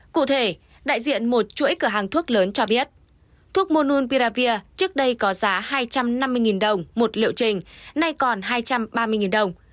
cụ thể đại diện một chuỗi cửa hàng thuốc lớn cho biết thuốc monun piravir trước đây có giá hai trăm năm mươi đồng một liệu trình nay còn hai trăm ba mươi đồng